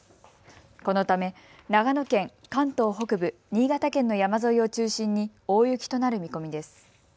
このため長野県、関東北部、新潟県の山沿いを中心に大雪となる見込みです。